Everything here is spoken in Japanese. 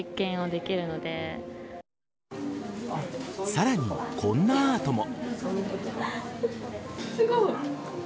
さらに、こんなアートも。